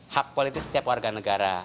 hak politik setiap warga negara